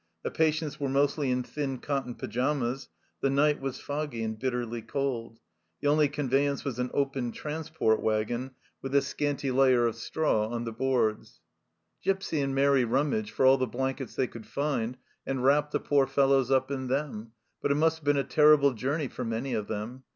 The patients were mostly in thin cotton pyjamas ; the night was foggy and bitterly cold ; the only conveyance was an open transport waggon with a scanty layer of 45 46 THE CELLAR HOUSE OF PERVYSE straw on the boards. Gipsy and Mairi rummaged for all the blankets they could find, and wrapped the poor fellows up in them ; but it must have been a terrible journey for many of them.